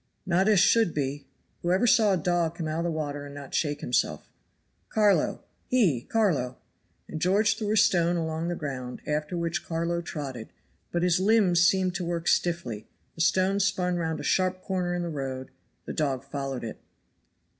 "Not as should be. Who ever saw a dog come out of the water and not shake himself? Carlo, hie, Carlo!" and George threw a stone along the ground, after which Carlo trotted; but his limbs seemed to work stiffly; the stone spun round a sharp corner in the road, the dog followed it.